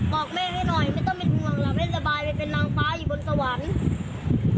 บอกแม่ให้หน่อยไม่ต้องเป็นห่วงล่ะไม่สบายไปเป็นนางฟ้าอยู่บนสวรรค์